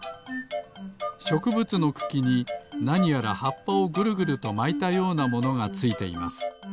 しょくぶつのくきになにやらはっぱをぐるぐるとまいたようなものがついています。